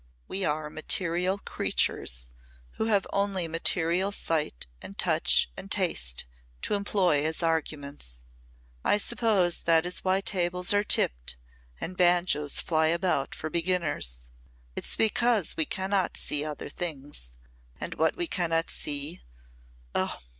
We are material creatures who have only material sight and touch and taste to employ as arguments. I suppose that is why tables are tipped, and banjos fly about for beginners. It's because we cannot see other things, and what we cannot see Oh!